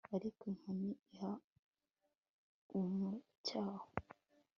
ariko inkoni ihana ibumucaho